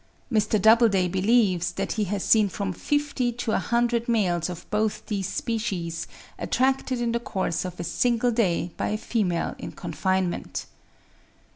Mr. Doubleday believes that he has seen from fifty to a hundred males of both these species attracted in the course of a single day by a female in confinement.